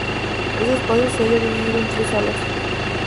Este espacio se halla dividido en tres salas.